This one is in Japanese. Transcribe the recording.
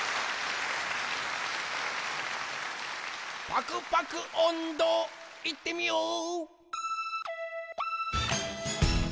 パクパクおんど、いってみよう！